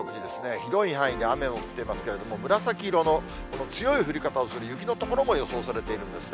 広い範囲で雨も降っていますけれども、紫色の強い降り方をする雪の所も予想されているんですね。